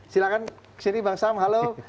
silahkan kesini bang sam halo